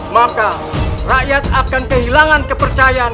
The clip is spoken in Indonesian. maka rakyat akan kehilangan kepercayaan